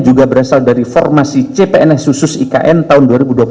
juga berasal dari formasi cpns khusus ikn tahun dua ribu dua puluh satu